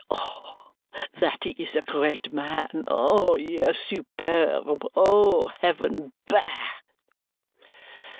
"Oh, that he is a great man! Oh, yes, superb! Oh, heaven! Bah!"